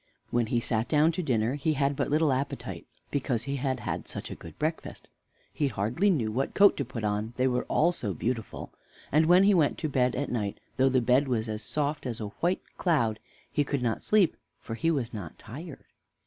When he sat down to dinner he had but little appetite, because he had had such a good breakfast; he hardly knew which coat to put on, they were all so beautiful; and when he went to bed at night, though the bed was as soft as a white cloud, he could not sleep, for he was not tired.